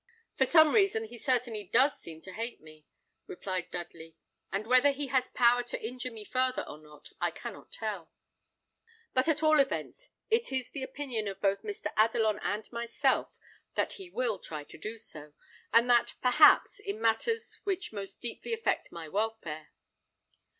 "For some reason, he certainly does seem to hate me," replied Dudley; "and whether he has power to injure me farther or not, I cannot tell; but at all events, it is the opinion of both Mr. Adelon and myself, that he will try to do so, and that, perhaps, in matters which most deeply affect my welfare.